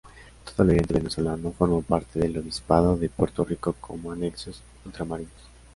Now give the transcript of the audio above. Todo el oriente venezolano formó parte del obispado de Puerto Rico como "anexos ultramarinos".